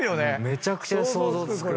めちゃくちゃ想像つく。